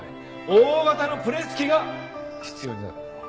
大型のプレス機が必要になる。